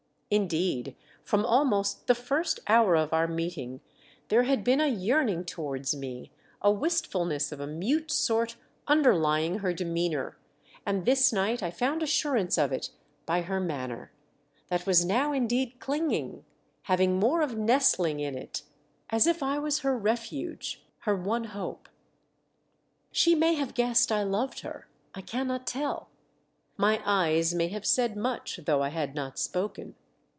Indeed, from almost the first hour of our meeting there had been a yearn 2IO THE DEATH SHIP. ing towards me, a wistfulness of a mute sort underlying her demeanour, and this night I found assurance of it by her manner, that was now indeed clinging, having more of nestling in it, as if I was her refuge, her one hope. She may have guessed I loved her. I cannot tell. My eyes may have said much, though I had not spoken.